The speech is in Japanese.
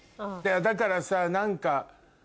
だからさ何か。